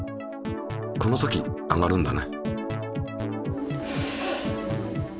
この時上がるんだね。